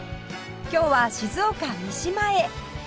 今日は静岡三島へ